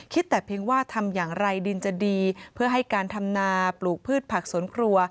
คิดแต่เพียงว่าทำอย่างไรดินจะดีเพื่อให้การทำนาปลูกพืชผักสวนครัว